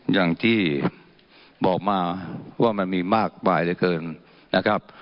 อย่างที่บอกมาว่ามันมีมากมายเหลือเกินนะครับ